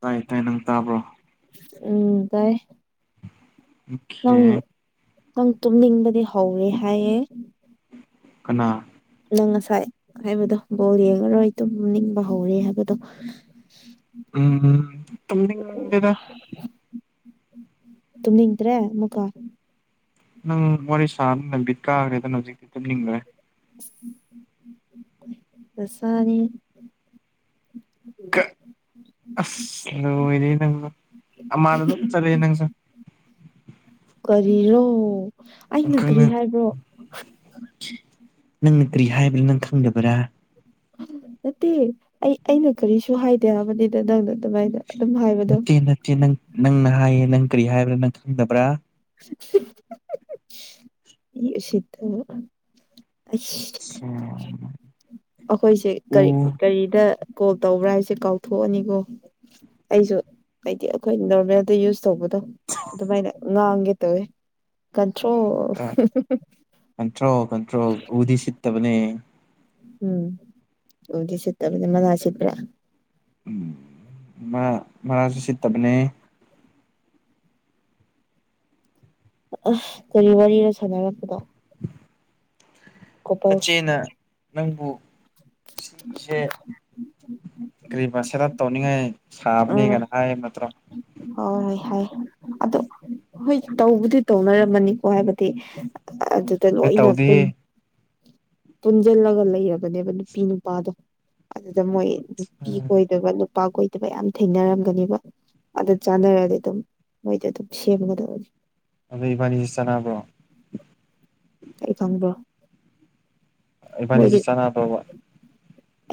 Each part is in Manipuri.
ꯇꯥꯏ ꯇꯥꯏ ꯅꯪ ꯇꯥꯕ꯭ꯔꯣ ꯎꯝ ꯇꯥꯏ ꯅꯪ [unintelligible] ꯅꯪ ꯇꯨꯝꯅꯤꯡꯕꯗꯤ ꯍꯧꯔꯦ ꯍꯥꯏꯌꯦ ꯀꯅꯥ ꯅꯪ ꯉꯁꯥꯏ ꯍꯥꯏꯕꯗꯣ ꯕꯣꯜ ꯌꯦꯡꯉꯔꯣꯏ ꯇꯨꯝ ꯅꯤꯡꯕ ꯍꯧꯔꯦ ꯍꯥꯏꯕꯗꯣ ꯎꯝ ꯎꯝ ꯇꯨꯝꯅꯤꯡꯗꯦꯗꯥ ꯇꯨꯝꯅꯤꯡꯗ꯭ꯔꯦ ꯃꯨꯀꯥ ꯅꯪ ꯋꯥꯔꯤ ꯁꯥꯔ ꯂꯝꯕꯤꯠ ꯀꯥꯈ꯭ꯔꯦꯗꯅ ꯍꯧꯖꯤꯛꯇꯤ ꯇꯤꯟꯅꯤꯡꯈ꯭ꯔꯦ [unintelligible] ꯑꯁ ꯂꯣꯏꯔꯦ ꯅꯪꯁꯨ ꯑꯃꯥꯗ ꯑꯗꯨꯝ ꯆꯠꯂꯦ ꯅꯪꯁꯨ ꯀꯔꯤꯔꯣ ꯑꯩꯅ ꯀ꯭ꯔꯤ ꯅꯪꯅ ꯍꯥꯏꯕ꯭ꯔꯣ ꯀꯔꯤ ꯍꯥꯏꯕꯅꯣ ꯅꯪ ꯈꯪꯗꯕ꯭ꯔꯥ ꯅꯠꯇꯦ ꯑꯩ ꯑꯩꯅ ꯀꯔꯤꯁꯨ ꯍꯥꯏꯗꯦ ꯍꯥꯏꯕꯅꯤꯗ ꯅꯪꯅ ꯑꯗꯨꯃꯥꯏꯅ ꯑꯗꯨꯝ ꯍꯥꯏꯕꯗꯣ ꯅꯠꯇꯦ ꯅꯠꯇꯦ ꯅꯪ ꯅꯪꯅ ꯍꯥꯏꯌꯦ ꯅꯪ ꯀꯔꯤ ꯍꯥꯏꯕ꯭ꯔꯥ ꯅꯪ ꯈꯪꯗꯕ꯭ꯔꯥ [unintelligible] [unintelligible] ꯑꯆꯥ ꯑꯩꯈꯣꯏꯁꯦ ꯀꯔꯤ ꯀꯔꯤꯗ ꯀꯣꯜ ꯇꯧꯕ꯭ꯔꯥ ꯍꯥꯏꯁꯦ ꯀꯥꯎꯊꯣꯛꯑꯅꯤꯀꯣ ꯑꯩꯁꯨ ꯍꯥꯏꯗꯤ ꯑꯩꯈꯣꯏ ꯅꯣꯔꯃꯦꯜꯗ ꯌꯨꯁ ꯇꯧꯕ ꯑꯗꯨꯃꯥꯏꯅ ꯉꯥꯡꯒꯦ ꯇꯧꯋꯦ ꯀꯟꯇ꯭ꯔꯣꯜ ꯀꯟꯇ꯭ꯔꯣꯜ ꯀꯟꯇ꯭ꯔꯣꯜ ꯎꯗꯤ ꯁꯤꯠꯇꯕꯅꯦ ꯎꯝ ꯎꯗꯤ ꯁꯤꯠꯇꯕ ꯃꯅꯁꯤꯗ꯭ꯔꯥ ꯎꯝ ꯃꯥ ꯃꯔꯥꯖꯁꯤ ꯇꯕꯅꯦ ꯑ ꯀꯔꯤ ꯋꯥꯔꯤꯔ ꯁꯥꯟꯅꯔꯝꯕꯗꯣ ꯀꯣꯄꯜꯁ ꯆꯆꯦꯅ ꯅꯪꯕꯨ ꯁꯤꯒꯤꯁꯦ ꯀꯔꯤ ꯁꯦꯗꯞ ꯇꯧꯅꯤꯡꯉꯥꯏ ꯁꯥꯕꯅꯤ ꯎꯝ ꯀꯅ ꯍꯥꯏ ꯅꯠꯇ꯭ꯔꯣ ꯍꯣꯏ ꯍꯣꯏ ꯍꯥꯏ ꯑ ꯍꯣꯏ ꯇꯧꯕꯗꯤ ꯇꯧꯅꯔꯝꯃꯅꯤꯀꯣ ꯍꯥꯏꯕꯗꯤ ꯑꯗꯨꯗ ꯑꯩ ꯂꯣꯏꯅ ꯄꯨ ꯇꯧꯗꯦꯍꯦ ꯄꯨꯟꯁꯤꯜꯂꯒ ꯂꯩꯔꯕꯅꯦꯕ ꯅꯨꯄꯤ ꯅꯨꯄꯥꯗꯣ ꯑꯗꯨꯗ ꯃꯣꯏ ꯅꯨꯄꯤ ꯀꯣꯏꯗꯕ ꯅꯨꯄꯥ ꯀꯣꯏꯗꯕ ꯌꯥꯝ ꯊꯦꯡꯅꯔꯝꯒꯅꯦꯕ ꯑꯗꯨ ꯆꯥꯟꯅꯔꯗꯤ ꯑꯗꯨꯝ ꯃꯣꯏꯗꯤ ꯑꯗꯨꯝ ꯁꯦꯝꯒꯗꯕꯅꯤ ꯑꯗꯨ ꯏꯕꯥꯅꯤꯁꯤ ꯆꯥꯟꯅꯕ꯭ꯔꯣ ꯑꯩ ꯈꯪꯕ꯭ꯔ ꯏꯕꯅꯤꯁꯨ ꯆꯅꯥꯕꯕ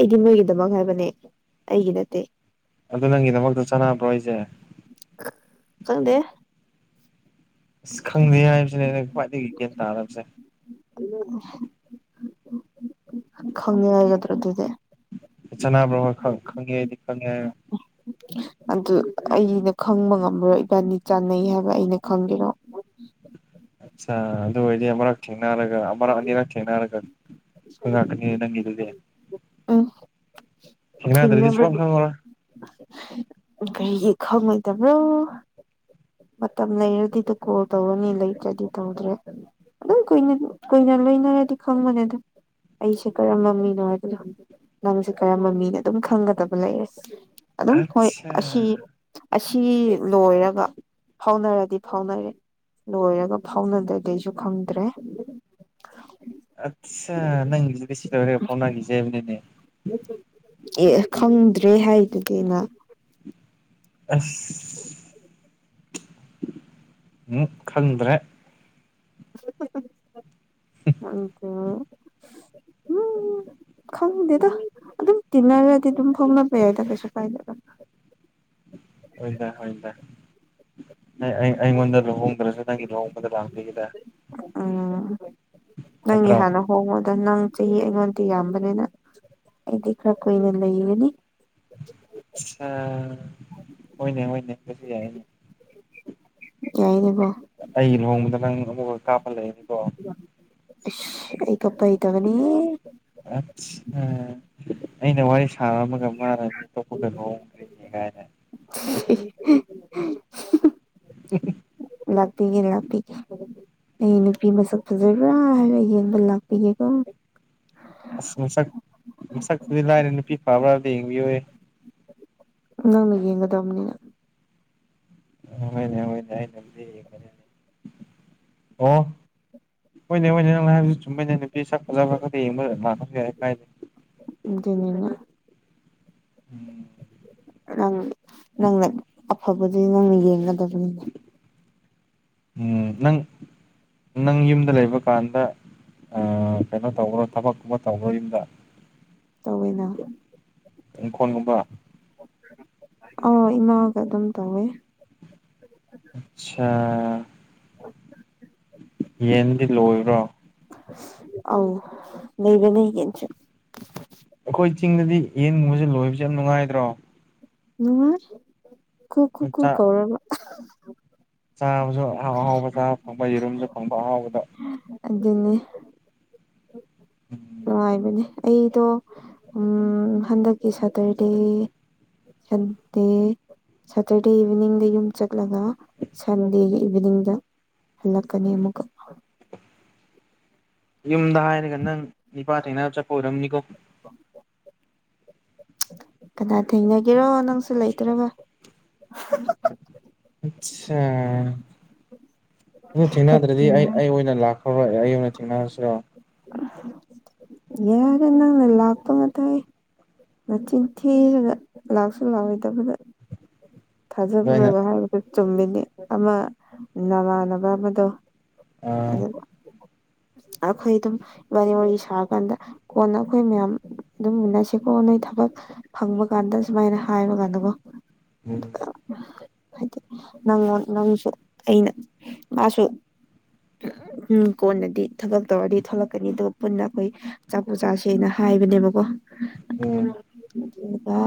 ꯑꯩꯗꯤ ꯅꯣꯏꯒꯤꯗꯃꯛ ꯍꯥꯏꯕꯅꯦ ꯑꯩꯒꯤ ꯅꯠꯇꯦ ꯑꯗꯨ ꯅꯪꯒꯤꯗꯃꯛꯇ ꯆꯥꯟꯅꯕ꯭ꯔꯣ ꯑꯩꯁꯦ ꯈꯥꯡꯗꯦ ꯑꯁ ꯈꯪꯗꯦ ꯍꯥꯏꯕꯁꯤꯅꯦ ꯑꯩꯅ ꯈ꯭ꯋꯥꯏꯗꯒꯤ ꯒ꯭ꯌꯥꯟ ꯇꯥꯔꯕꯁꯦ ꯑꯗꯨ ꯈꯪꯅꯤꯡꯉ ꯍꯥꯏꯒꯗ꯭ꯔꯥ ꯑꯗꯨꯗꯤ ꯆꯅꯕ꯭ꯔꯣꯏ ꯈꯪꯉꯦ ꯑꯩꯗꯤ ꯈꯪꯉꯦ ꯑꯗꯨ ꯑꯩꯅ ꯈꯪꯕ ꯉꯝꯃꯔꯣꯏ ꯏꯕꯥꯅꯤ ꯆꯥꯟꯅꯩ ꯍꯥꯏꯕ ꯑꯩꯅ ꯈꯪꯗꯦꯔꯣ ꯑꯠꯆꯥ ꯑꯗꯨ ꯑꯣꯏꯔꯗꯤ ꯑꯃꯔꯛ ꯊꯦꯡꯅꯔꯒ ꯑꯃꯔꯛ ꯑꯅꯤꯔꯛ ꯊꯦꯡꯅꯔꯒ ꯍꯅꯤ ꯅꯪꯗꯦ ꯎꯝ ꯍꯦꯡꯗꯔꯤꯗꯤ ꯆꯄ ꯊꯦꯡꯅꯕꯒꯤ ꯈꯪꯔ ꯀꯔꯤ ꯈꯪꯉꯣꯏ ꯇꯕ꯭ꯔꯣ ꯃꯇꯝ ꯂꯩꯔꯗꯤꯗ ꯀꯣꯜ ꯇꯧꯔꯅꯤ ꯂꯩꯇ꯭ꯔꯗꯤ ꯇꯧꯗ꯭ꯔꯦ ꯑꯗꯨꯝ ꯀꯨꯏꯅ ꯀꯨꯏꯅ ꯂꯣꯏꯅꯔꯗꯤ ꯈꯪꯕꯅꯦ ꯑꯗꯨꯝ ꯑꯩꯁꯦ ꯀꯔꯝꯕ ꯃꯤꯅꯣ ꯍꯥꯏꯕꯗꯣꯪ ꯅꯪꯁꯦ ꯀꯔꯝꯕ ꯃꯤꯅꯣ ꯑꯗꯨꯝ ꯈꯪꯒꯗꯕ ꯂꯩꯔꯁꯦ ꯑꯗꯨꯝ ꯍꯣꯏ ꯑꯠꯆꯥ ꯑꯁꯤ ꯑꯁꯤ ꯂꯣꯏꯔꯒ ꯐꯥꯎꯅꯔꯗꯤ ꯐꯥꯎꯅꯔꯦ ꯂꯣꯏꯔꯒ ꯐꯥꯎꯅꯗ꯭ꯔꯗꯩꯁꯨ ꯈꯪꯗ꯭ꯔꯦ [unintelligible] ꯑꯠꯆꯥ ꯅꯪ ꯁꯤ ꯇꯒ ꯐꯥꯎꯈꯤꯦꯁꯦꯕꯅꯤꯅꯦ ꯑꯦ ꯈꯪꯗ꯭ꯔꯦ ꯍꯥꯏꯗꯨꯗꯤ ꯑꯩꯅ ꯑꯁ ꯎꯝ ꯈꯪꯗ꯭ꯔꯦ [unintelligible] ꯎꯝ ꯈꯥꯡꯗꯦꯗ ꯑꯗꯨꯝ ꯇꯤꯟꯅꯔꯗꯤ ꯑꯗꯨꯝ ꯐꯥꯎꯅꯕ ꯌꯥꯏꯗ ꯀꯩꯁꯨ ꯀꯥꯏꯗꯒ ꯍꯣꯏꯏꯗ ꯍꯣꯏꯗ ꯅ ꯑꯩ ꯑꯩꯉꯣꯟꯗ ꯂꯨꯍꯣꯡꯗ꯭ꯔꯁꯨ ꯅꯪꯒꯤ ꯂꯨꯍꯣꯡꯕꯗ ꯂꯥꯛꯄꯤꯒꯗ ꯎꯝ ꯅꯪꯒꯤ ꯍꯥꯟꯅ ꯍꯣꯡꯉꯗ ꯅꯪ ꯆꯍꯤ ꯉꯣꯟꯗꯤ ꯌꯥꯝꯕꯅꯤꯅ ꯑꯩꯗꯤ ꯈꯔ ꯀꯨꯏꯅ ꯂꯩꯒꯅꯤ ꯑ ꯍꯣꯏꯅꯦ [unintelligible] ꯌꯥꯏꯗꯕ ꯑꯩ ꯂꯨꯍꯣꯡꯃꯗ ꯅꯪ ꯑꯃꯨꯛ ꯀꯥꯞꯄ ꯂꯩ [unintelligible] ꯑꯩ ꯀꯞꯄꯥ ꯍꯩꯇꯕꯅꯤ ꯑꯁ ꯑꯩꯅ ꯋꯥꯔꯤ ꯁꯥꯔꯝꯃꯒ ꯃꯥꯥꯟꯔꯅꯤ ꯑꯇꯣꯞꯄꯒ ꯂꯨꯍꯣꯡꯗ꯭ꯔꯤꯅꯤ ꯀꯥꯏꯅ [unintelligible] [unintelligible] ꯂꯥꯛꯄꯤꯒꯦꯅꯦ ꯂꯥꯛꯄꯤꯒꯦ ꯑꯩ ꯅꯨꯄꯤ ꯃꯁꯛ ꯐꯖꯕ꯭ꯔꯥ ꯍꯥꯏꯔ ꯌꯦꯡꯕ ꯂꯥꯛꯄꯤꯒꯦꯀꯣ ꯑꯁ ꯃꯁꯛ ꯃꯁꯛꯇꯨꯗꯤ ꯂꯥꯏꯔ ꯅꯨꯄꯤ ꯐꯥꯕ꯭ꯔꯥ ꯂꯡꯕꯤꯌꯨ ꯅꯪ ꯌꯦꯒ ꯇꯝꯅꯤ ꯍꯣꯏꯅꯦ ꯍꯅꯦ ꯑꯩ ꯅ ꯑꯣ ꯍꯣꯏꯅꯦ ꯍꯣꯏꯅꯦ ꯅꯪꯅꯥ ꯅꯨꯄꯤ ꯁꯛꯐꯖꯕ ꯌꯦꯡꯕ ꯂꯩꯌꯥ ꯀꯥꯏ ꯑꯗꯨꯅꯤꯅ ꯎꯝ ꯅꯪ ꯅꯪꯅ ꯑꯐꯕꯗꯨꯗꯤ ꯅꯪꯅ ꯌꯦꯡꯒꯗꯕꯅꯤꯅ ꯎꯝ ꯅꯪ ꯅꯪ ꯌꯨꯝꯗ ꯂꯩꯕ ꯀꯥꯟꯗ ꯀꯩꯅꯣ ꯇꯧꯈ꯭ꯔꯣ ꯊꯕꯛꯀꯨꯝꯕ ꯇꯧꯈꯔꯣ ꯌꯨꯝꯗ ꯇꯧꯋꯅ ꯏꯪꯈꯣꯜꯒꯨꯝꯕ ꯑ ꯏꯃꯥꯒ ꯑꯗꯨꯝ ꯇꯧꯋꯦ ꯑꯆꯥ ꯌꯦꯟꯗꯤ ꯂꯣꯏꯕ꯭ꯔꯣ ꯑꯧ ꯂꯩꯕꯅꯦ ꯌꯦꯡꯁꯤ ꯑꯩꯈꯣꯏ ꯆꯤꯡꯗꯗꯤ ꯌꯦꯟꯒꯨꯝꯕꯁꯦ ꯂꯣꯏꯕꯁꯦ ꯌꯥꯝ ꯅꯨꯡꯉꯥꯏꯗ꯭ꯔꯣ ꯅꯨꯡꯉꯥꯏ ꯈꯨꯨ ꯈꯨꯨ ꯈꯨꯨ ꯆꯥꯛ ꯀꯧꯔꯒ ꯆꯥꯕꯁꯨ ꯑꯍꯥꯎ ꯑꯍꯥꯎꯕ ꯆꯥꯕ ꯐꯪꯕ ꯌꯦꯔꯨꯝꯁꯨ ꯐꯪꯕ ꯑꯍꯥꯎꯕꯗ ꯑꯗꯨꯅꯦ ꯎꯝ ꯅꯨꯡꯉꯥꯏꯕꯅꯦ ꯑꯩꯗꯣ ꯍꯟꯗꯛꯀꯤ ꯁꯥꯇꯔꯗꯦ ꯁꯟꯗꯦ ꯁꯇꯔꯗꯦ ꯏꯚꯤꯅꯤꯡꯗ ꯌꯨꯝ ꯆꯠꯂꯒ ꯁꯟꯗꯦꯒꯤ ꯏꯚꯤꯅꯤꯡꯗ ꯍꯜꯂꯛꯀꯅꯤ ꯑꯃꯨꯛꯀ ꯌꯨꯝꯗ ꯍꯥꯏꯔꯒ ꯅꯪ ꯅꯤꯄꯥ ꯊꯦꯡꯅꯕ ꯆꯠꯄ ꯑꯣꯏꯔꯝꯅꯤꯀꯣ [unintelligible] ꯀꯅꯥ ꯊꯦꯡꯅꯒꯦꯔꯣ ꯅꯪꯁꯨ ꯂꯩꯇ꯭ꯔꯒ ꯑꯠꯁꯥ ꯑꯗꯨ ꯊꯦꯡꯅꯗ꯭ꯔꯗꯤ ꯑꯩ ꯑꯩ ꯑꯣꯏꯅ ꯂꯥꯛꯈ꯭ꯔꯔꯣꯏ ꯑꯩ ꯑꯣꯏꯅ ꯊꯦꯡꯅꯔꯁꯤꯔꯣ ꯌꯥꯔꯦ ꯅꯂꯥꯛꯇꯣ ꯃ ꯇꯥꯏ ꯅꯆꯤꯟꯊꯤꯔꯒ ꯂꯥꯛꯁꯨ ꯂꯥꯛꯑꯣꯗꯕꯗ ꯑꯗꯨ ꯑꯩꯅ ꯊꯥꯖꯕ꯭ꯔꯣꯒ ꯍꯥꯏꯕꯗꯨ ꯆꯨꯝꯃꯤꯅꯤ ꯑꯃ ꯅꯃꯥꯟꯅꯕ ꯑꯃꯗꯣ ꯑ ꯎꯝ ꯑꯩꯈꯣꯏ ꯑꯗꯨꯝ ꯋꯥꯔꯤ ꯋꯥꯔꯤ ꯁꯥꯔꯀꯥꯟꯗ ꯀꯣꯟꯅ ꯑꯩꯈꯣꯏ ꯃꯌꯥꯝ ꯑꯗꯨꯝ ꯎꯟꯅꯁꯤꯀꯣꯟ ꯅꯣꯏ ꯊꯕꯛ ꯐꯪꯕ ꯀꯥꯟꯗ ꯁꯨꯃꯥꯏꯅ ꯍꯥꯏꯕ ꯀꯥꯟꯗꯀꯣ ꯎꯝ ꯍꯥꯏꯗꯤ ꯅꯪꯉꯣꯟ ꯅꯪꯁꯨ ꯑꯩꯅ ꯃꯥꯁꯨ ꯎꯝ ꯀꯣꯟꯅꯗꯤ ꯊꯕꯛ ꯇꯧꯔꯗꯤ ꯊꯂꯛꯀꯅꯤ ꯑꯗꯨꯒ ꯄꯨꯟꯅ ꯑꯩꯈꯣꯏ ꯆꯥꯛꯄꯨ ꯆꯥꯥꯁꯦꯅ ꯍꯥꯏꯕꯅꯦꯕꯀꯣ ꯑꯣꯝ ꯑꯗꯨꯒ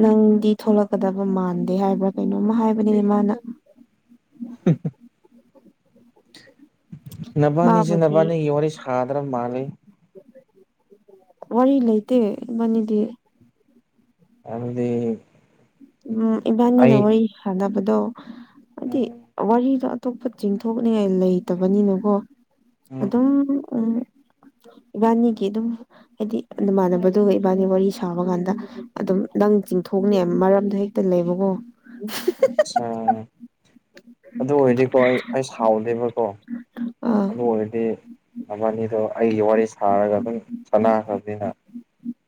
ꯅꯪꯗꯤ ꯊꯣꯛꯂꯛꯀꯗꯕ ꯃꯥꯟꯗꯦ ꯍꯥꯏꯕ꯭ꯔꯥ ꯀꯩꯅꯣꯝꯃ ꯍꯥꯏꯕꯅꯤꯅꯦ ꯃꯥꯅ [unintelligible] ꯅꯕꯥꯅꯤꯁꯦ ꯃꯥꯕꯨꯗꯤ ꯅꯕꯥꯅꯤꯒꯤ ꯋꯥꯔꯤ ꯁꯥꯗ꯭ꯔꯕ ꯃꯥꯜꯂꯤ ꯋꯥꯔꯤꯔꯤ ꯂꯩ ꯂꯩꯇ ꯃꯅꯤꯗꯤ ꯅꯪꯗꯤ ꯎꯝ ꯏꯕꯥꯅꯤꯅ ꯋꯥꯔꯤ ꯁꯥꯟꯅꯕꯗꯣ ꯍꯥꯏꯗꯤ ꯎꯝ ꯋꯥꯔꯤꯗꯣ ꯑꯇꯣꯞꯄ ꯆꯤꯡꯊꯣꯛꯅꯤꯡꯉꯥꯏ ꯂꯩꯇꯕꯅꯤꯅꯀꯣ ꯎꯝ ꯑꯗꯨꯝ ꯎꯝ ꯎꯝ ꯢꯕꯥꯅꯤꯒꯤ ꯑꯗꯨꯝ ꯍꯥꯏꯗꯤꯃꯥꯟꯅꯕꯗꯨꯒ ꯏꯕꯥꯅꯤ ꯋꯥꯔꯤ ꯁꯥꯕ ꯀꯥꯟꯗ ꯑꯗꯨꯝ ꯅꯪ ꯆꯤꯡꯊꯣꯛꯅꯦꯕ ꯃꯔꯝꯗꯣ ꯍꯦꯛꯇ ꯂꯩꯕꯀꯣ ꯑꯆꯥ ꯑꯗꯨ ꯑꯣꯏꯔꯗꯤꯀꯣ ꯑꯩ ꯑꯩ ꯁꯥꯎꯗꯦꯕꯀꯣ ꯑꯥ ꯑꯗꯨ ꯑꯣꯏꯗꯤ ꯃꯅꯤꯗꯣ ꯑꯩꯒꯤ ꯋꯥꯔꯤ ꯁꯥꯔꯒ ꯑꯗꯨꯝ ꯆꯥꯟꯅꯈ꯭ꯔꯕꯅꯤꯅ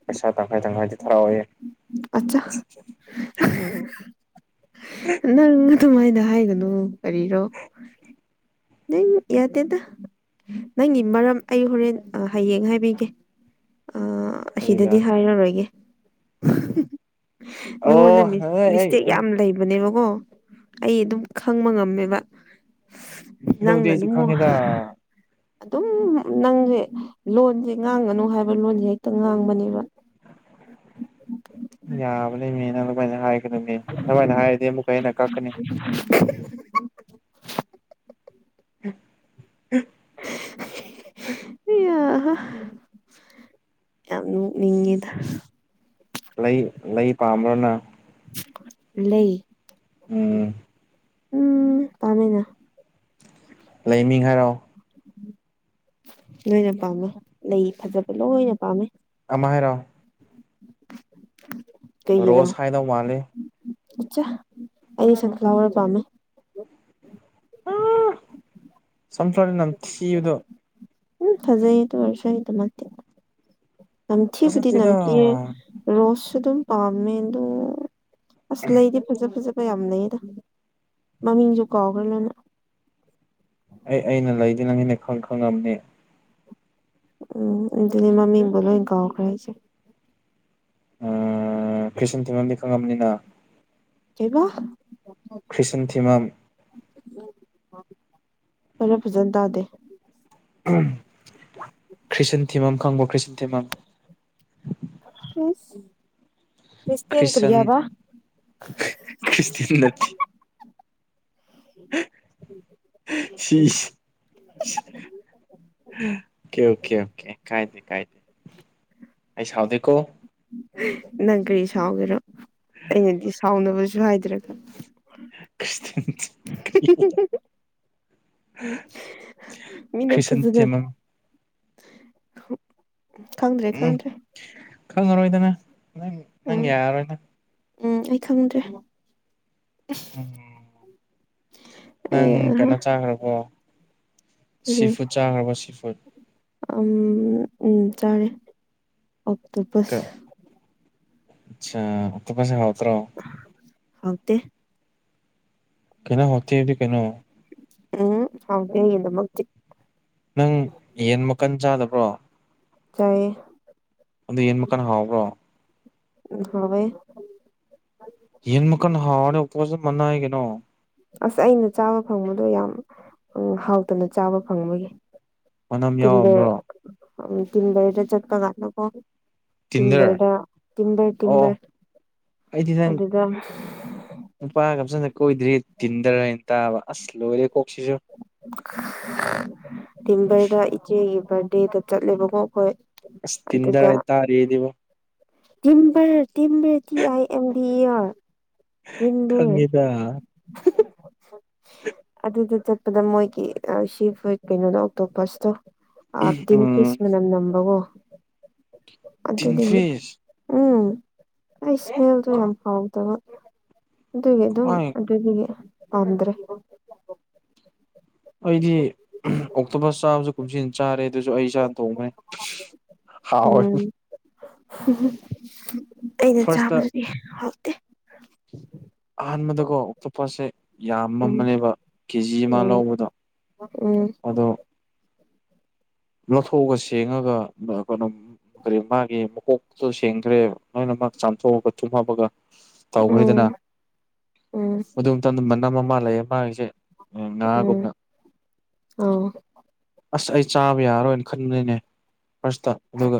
ꯄꯩꯁꯥ ꯇꯪꯈꯥꯏ ꯇꯪꯈꯥꯏꯗꯤ ꯊꯔꯥꯎ ꯑꯣꯏꯌꯦ ꯑꯆꯥ ꯅꯪ ꯑꯗꯨꯃꯥꯏꯅ ꯍꯥꯏꯒꯅꯨ ꯀꯔꯤꯔꯣ ꯅ ꯌꯥꯗꯦꯗ ꯅꯪꯒꯤ ꯃꯔꯝ ꯑꯩ ꯍꯣꯔꯦꯟ ꯍꯌꯦꯡ ꯍꯥꯏꯕꯤꯒꯦ ꯑ ꯑꯩꯅ ꯑꯁꯤꯗꯗꯤ ꯍꯥꯏꯔꯔꯣꯏꯒꯦ ꯅꯪꯉꯣꯟꯗ ꯑꯣ ꯃꯤꯁ ꯑꯩ ꯃꯤꯁꯇꯦꯛ ꯌꯥꯝ ꯂꯩꯕꯅꯦꯕ ꯑꯣ ꯑꯩ ꯑꯗꯨꯝ ꯈꯪꯕ ꯉꯝꯃꯦꯕ ꯑꯗꯨꯕꯨꯗꯤ ꯅꯪꯅ ꯑꯩꯁꯨ ꯑꯗꯨ ꯈꯪꯉꯦꯗ ꯑꯗꯨꯝ ꯅꯪꯁꯦ ꯂꯣꯟꯁꯦ ꯉꯥꯡꯒꯅꯨ ꯍꯥꯏꯕ ꯂꯣꯟꯁꯦ ꯍꯦꯛꯇ ꯉꯥꯡꯕꯅꯦꯕ ꯌꯥꯕꯅꯦꯃꯦ ꯅꯪ ꯐꯖ ꯍꯥꯏ ꯑꯗꯨꯃꯥꯏꯅ ꯍꯥꯏꯔꯗꯤ ꯑꯃꯨꯛꯀ ꯍꯦꯟꯅ ꯀꯛꯀꯅꯤ ꯎꯝ ꯑꯁ ꯌꯥꯝ ꯅꯣꯛꯅꯤꯡꯉꯤꯗ ꯄꯥꯝꯕꯔꯣꯅ ꯂꯩ ꯎꯝ ꯎꯝ ꯄꯝꯃꯦꯅꯥ ꯂꯩꯃꯤꯡ ꯍꯥꯏꯔꯥꯎ ꯂꯣꯏꯅ ꯄꯥꯝꯃꯦ ꯂꯩ ꯐꯖꯕ ꯂꯣꯏꯅ ꯄꯥꯝꯃꯦ ꯃꯥꯏꯔꯣ ꯔꯣꯁ ꯍꯥꯏꯗꯧ ꯃꯥꯂꯦ ꯆꯥ ꯑꯩ ꯁꯟ ꯐ꯭ꯂꯋꯔ ꯄꯥꯝꯃꯦ ꯁꯟ ꯐꯋꯔ ꯅꯝꯊꯤꯕꯗꯨ ꯎꯝ ꯐꯖꯩ ꯑꯗꯨ ꯑꯣꯏꯔꯁꯨ ꯑꯩꯒꯤꯗꯃꯛꯇꯤ ꯅꯝꯊꯤꯕꯨꯗꯤ ꯐꯖꯗꯦꯗ ꯅꯝꯊꯤ ꯔꯣꯁꯁꯨ ꯑꯗꯨꯝ ꯄꯥꯝꯃꯦ ꯑꯗꯣ ꯑꯁ ꯂꯩꯗꯤ ꯐꯖ ꯐꯖ ꯃꯌꯥꯝꯅꯩꯌꯦꯗ ꯃꯃꯤꯡꯁꯨ ꯀꯥꯎꯈ꯭ꯔ ꯂꯣꯏꯅ ꯑꯩ ꯑꯩꯅ ꯂꯩꯗꯤ ꯅꯪꯉꯅ ꯈꯪ ꯈꯪꯉꯕꯅꯦ ꯎꯝ ꯑꯗꯨ ꯑꯗꯨꯗꯤ ꯃꯃꯤꯡꯕꯨ ꯂꯣꯏ ꯀꯥꯎꯈ꯭ꯔꯦ ꯑꯩꯁꯨ ꯀ꯭ꯔꯤꯁꯟ ꯊꯤꯡꯉꯝꯗꯤ ꯈꯪꯉꯥꯕꯅꯤꯅ ꯀꯩꯕ ꯀ꯭ꯔꯤꯁꯟ ꯊꯤꯃꯝ ꯐꯔ ꯐꯖꯅ ꯇꯥꯗꯦ ꯎ ꯈ꯭ꯔꯤꯁꯟ ꯊꯤꯃꯝ ꯈꯪꯕ ꯈ꯭ꯔꯤꯁꯟ ꯊꯤꯃꯝ ꯍꯁ ꯀ꯭ꯔꯤꯁꯇꯦꯟ ꯈ꯭ꯔꯤꯁꯟ ꯀꯔꯤꯑꯕ ꯈ꯭ꯔꯤꯁꯇꯤꯟ ꯅꯠꯇꯦ ꯎꯝ ꯎꯝ ꯁꯤꯦꯁ ꯑꯣꯀꯦ ꯑꯣꯀꯦ ꯑꯣꯀꯦ ꯀꯥꯏꯗꯦ ꯀꯥꯏꯗꯦ ꯑꯩ ꯁꯥꯎꯗ ꯀꯣ ꯅꯪ ꯀꯔꯤ ꯁꯥꯎꯒꯦꯅꯣ ꯑꯩꯅꯗꯤ ꯁꯥꯎꯅꯕꯁꯨ ꯍꯥꯏꯗ꯭ꯔꯒ [unintelligible] ꯃꯤꯅ ꯈ꯭ꯔꯤꯁꯟ ꯐꯖꯅ ꯇꯦꯝꯃꯝ ꯈꯪꯗ꯭ꯔꯦ ꯎꯝ ꯈꯪꯗ꯭ꯔꯦ ꯈꯪꯉꯔꯣꯏꯗꯅ ꯅꯪ ꯅꯪ ꯎꯝ ꯌꯥꯔꯔꯣꯏꯅ ꯎꯝ ꯑꯩ ꯈꯪꯗ꯭ꯔꯦ ꯎꯝ ꯑꯩ ꯅꯪ ꯑꯍꯥ ꯀꯩꯅꯣ ꯆꯥꯈ꯭ꯔꯕꯣ ꯀꯔꯤ ꯁꯤꯐꯨ ꯆꯥꯈ꯭ꯔꯕ ꯁꯤꯐꯨꯠ ꯎꯝ ꯎꯝ ꯆꯥꯔꯦ ꯑꯣꯛꯇꯣ ꯄꯁ ꯑꯆꯥ ꯑꯣꯛꯇꯣꯄꯁꯦ ꯍꯥꯥꯎꯇꯔꯣ ꯍꯧꯇꯦ ꯀꯩꯅꯣ ꯍꯧꯇꯦꯗꯤ ꯀꯩꯅꯣ ꯎꯝ ꯍꯧꯇꯦ ꯑꯩ ꯑꯗꯨꯃꯛꯇꯤ ꯅꯪ ꯌꯦꯟ ꯃꯈꯟ ꯆꯥꯗꯕ꯭ꯔꯣ ꯆꯥꯌꯦ ꯑꯗꯨ ꯌꯦꯟ ꯃꯈꯀꯅ ꯍꯥꯎꯕ꯭ꯔꯣ ꯑꯨꯝ ꯍꯧꯌꯦ ꯅꯣ ꯑꯁ ꯑꯩꯅ ꯆꯥꯕ ꯐꯪꯕꯗꯣ ꯌꯥꯝ ꯍꯥꯎꯇꯅ ꯆꯥꯕ ꯐꯪꯕꯒꯤ ꯃꯅꯝ ꯌꯥꯎꯔꯝꯕ꯭ꯔꯣ ꯇꯤꯟꯚꯔꯗ ꯆꯠꯀ ꯠꯅ ꯄꯥꯎ ꯇꯤꯟꯗꯔ ꯇꯤꯟꯚꯔꯗ ꯇꯤꯝꯚꯔ ꯑꯣ ꯇꯤꯝꯚꯔ ꯑꯩꯗꯤ ꯅꯡ ꯅꯨꯄꯥꯒꯝꯁꯗ ꯀꯣꯏꯗ꯭ꯔꯤ ꯇꯤꯟꯗꯔꯅ ꯇꯥꯕ ꯑꯁ ꯂꯣꯏꯔꯦ ꯀꯣꯛꯁꯤꯁꯨ ꯇꯤꯝꯕꯔꯗ ꯏꯆꯦꯒꯤ ꯕꯥꯔꯗꯦꯗ ꯆꯠꯂꯦꯕ ꯀꯦ ꯑꯩꯈꯣꯏ ꯑꯁ ꯇꯤꯟ꯭ꯔ ꯇꯥꯔꯦꯗꯦꯕ ꯇꯝꯕꯔ ꯇꯤꯅ ꯃꯤ [unintelligible] ꯊꯝꯕ ꯈꯪꯉꯦꯗ ꯑꯗꯨꯗꯨ ꯑꯗ ꯃꯣꯏꯒꯤ ꯁꯤ ꯄꯨꯠ ꯀꯩꯅꯣꯗ ꯑꯣꯛꯇꯣꯄꯁꯇꯣ ꯑꯗꯤꯟ ꯎꯝ ꯐꯤꯁ ꯃꯅꯝ ꯅꯝꯕꯒꯣ ꯑꯗꯨꯗꯤ ꯇꯤꯟꯐꯤꯁ ꯎꯝ ꯑꯩ ꯏꯁꯃꯦꯜꯗꯣ ꯌꯥꯝ ꯍꯥꯎꯗꯕ ꯑꯗꯨꯒꯤ ꯑꯗꯨꯝ ꯀꯃꯥꯏ ꯑꯗꯨꯒꯤ ꯄꯥꯝꯗ꯭ꯔꯦ ꯑꯩꯗꯤ ꯑꯣꯛꯇꯣꯕꯔ ꯆꯥꯃꯁꯨ ꯀꯨꯝꯁꯤꯟ ꯆꯥꯔꯦ ꯑꯗꯨꯁꯨ ꯑꯩ ꯏꯁꯥ ꯇꯣꯡꯃꯦ ꯍꯥꯎꯋꯦ ꯎꯝ ꯑꯩꯅ ꯐꯥꯔꯁꯇ ꯆꯥꯕꯗꯨꯗꯤ ꯍꯥꯎꯇꯦ ꯑꯍꯥꯟꯕꯗꯀꯣ ꯑꯇꯣꯞꯄꯣꯠꯁꯦ ꯌꯥꯝꯃ ꯎꯝ ꯑꯃꯅꯦꯕ ꯀꯦꯖꯤ ꯑꯃ ꯎꯝ ꯂꯧꯕꯗꯣ ꯎꯝ ꯑꯗꯣ ꯂꯧꯠꯊꯣꯛꯑꯒ ꯁꯦꯡꯉꯒ ꫰ꯀꯩꯅꯣ ꯀꯔꯤ ꯃꯥꯒꯤ ꯃꯀꯣꯛꯇꯣ ꯁꯦꯡꯈ꯭ꯔꯦ ꯅꯣꯏꯅꯃꯛ ꯆꯥꯝꯊꯣꯛꯑꯒ ꯆꯨꯝꯃꯕꯒ ꯇꯧꯈ꯭ꯔꯔꯤꯗꯅ ꯎꯝ ꯎꯝ ꯃꯗꯨ ꯃꯇꯝꯗ ꯃꯅꯝ ꯃꯃꯥ ꯂꯩꯌꯦ ꯃꯥꯒꯤꯁꯦ ꯎꯝ ꯉꯥꯒꯨꯝꯅ ꯑ ꯑꯁ ꯑꯩ ꯆꯥꯕ ꯌꯥꯔꯔꯣꯏꯅ ꯈꯟꯕꯅꯤꯅꯦ ꯐꯥꯔꯁꯇ ꯑꯗꯨꯒ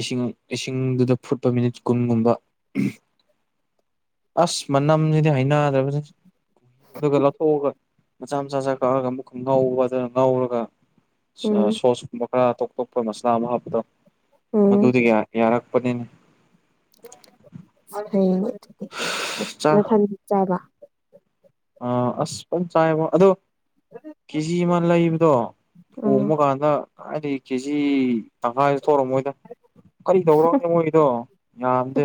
ꯏꯁꯤꯡ ꯏꯁꯤꯡꯗꯨꯗ ꯐꯨꯠꯄ ꯃꯤꯅꯤꯠ ꯀꯨꯟꯒꯨꯝꯕ ꯑꯁ ꯃꯅꯝꯁꯤꯗꯤ ꯍꯩꯅꯗꯕꯅꯤ ꯑꯗꯨꯒ ꯂꯧꯊꯣꯛꯑꯒ ꯃꯆꯥ ꯃꯆꯥꯁ ꯀꯛꯑꯒ ꯑꯃꯨꯛꯀꯪ ꯉꯥꯎꯕ ꯑꯗꯨꯅ ꯉꯥꯎꯔꯒ ꯎꯝ ꯁꯣꯁ ꯀꯨꯝꯕ ꯈꯔ ꯇꯣꯞ ꯇꯣꯞꯄ ꯃꯁꯂꯥ ꯑꯃ ꯍꯥꯞꯄꯗꯣ ꯎꯝ ꯃꯗꯨꯗꯤ ꯌꯥꯔꯛ ꯄꯅꯤꯅꯦ ꯍꯌꯦ ꯑꯗꯨꯗꯤꯊꯟ ꯆꯕ ꯑ ꯑꯁ ꯄ ꯆꯆꯥꯌꯦꯃ ꯑꯗꯣ ꯀꯦꯖꯤ ꯑꯃ ꯂꯩꯕꯗꯣ ꯎꯝ ꯊꯣꯡꯕ ꯀꯥꯟꯗ ꯑꯔ ꯀꯦꯖꯤ ꯇꯉꯥꯏ ꯇꯧꯔꯣ ꯃꯣꯏꯗ ꯀꯔꯤ ꯇꯧꯔꯣꯒꯦ ꯃꯣꯏꯗꯣ ꯌꯥꯝꯗꯦ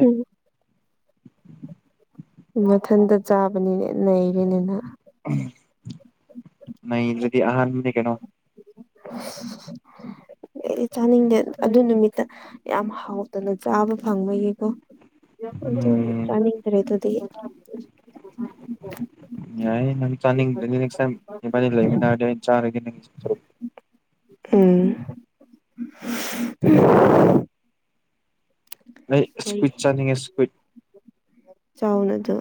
ꯃꯊꯟꯇ ꯆꯥꯕꯅꯤꯅꯦ ꯅꯩꯔꯦꯅꯤꯅ ꯅ ꯑꯗꯨꯗꯤ ꯑꯍꯥꯟꯕꯅꯦ ꯀꯩꯅꯣ [inaudible] ꯑꯦ ꯆꯥꯅꯤꯡꯗꯦ ꯑꯗꯨ ꯅꯨꯃꯤꯠꯇ ꯌꯥꯝ ꯍꯥꯎꯗꯅ ꯆꯥꯕ ꯐꯪꯕꯒꯤꯀꯣ ꯎꯝ ꯆꯅꯤꯗꯔꯦ ꯑꯗꯨꯗꯤ ꯌꯥ ꯆꯥꯅꯤꯡꯁ ꯂꯩꯃꯤ ꯆꯥꯎꯣ ꯎꯝ ꯑꯩ ꯏꯁ꯭ꯀꯨꯏꯠ ꯆꯥꯅꯤꯡꯉꯦ ꯏꯁ꯭ꯀꯨꯏꯠ ꯆꯥꯎꯅꯗ